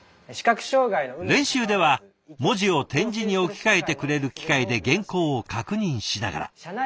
練習では文字を点字に置き換えてくれる機械で原稿を確認しながら。